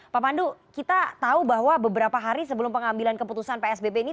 pak pandu kita tahu bahwa beberapa hari sebelum pengambilan keputusan psbb ini